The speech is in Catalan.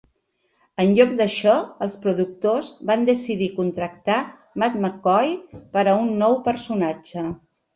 En lloc d'això, els productors van decidir contractar Matt McCoy per a un nou personatge.